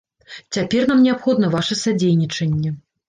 Цяпер нам неабходна ваша садзейнічанне.